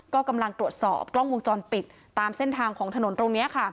ก็กำลังตรวจสอบกล้องวงจรปิดตามเส้นทางของถนนตรงนี้ค่ะ